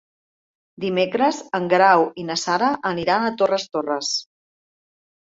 Dimecres en Guerau i na Sara aniran a Torres Torres.